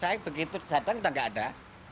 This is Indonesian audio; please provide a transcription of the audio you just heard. kalau begitu tersangka kita tidak ada